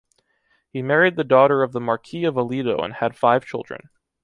He married the daughter of the Marquis of Aledo and had five children.